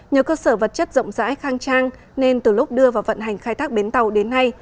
nhờ cơ sở vật chất rộng rãi khang trang nên từ lúc đưa vào vận hành khai thác bến tàu đến nay